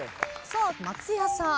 松也さん。